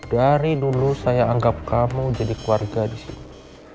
dari dulu saya anggap kamu jadi keluarga di sini